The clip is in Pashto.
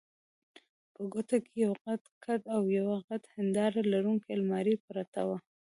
په کوټه کې یو غټ کټ او یوه غټه هنداره لرونکې المارۍ پرته وه.